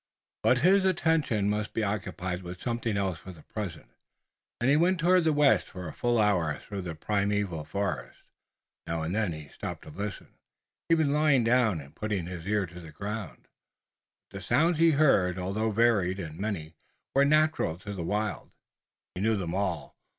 But his attention must be occupied with something else for the present, and he went toward the west for a full hour through the primeval forest. Now and then he stopped to listen, even lying down and putting his ear to the ground, but the sounds he heard, although varied and many, were natural to the wild. He knew them all.